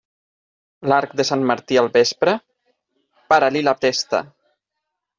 L'arc de Sant Martí al vespre, para-li la testa.